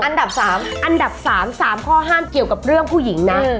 อันดับ๓อันดับ๓๓ข้อห้ามเกี่ยวกับเรื่องผู้หญิงนะ